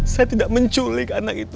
saya tidak menculik anak itu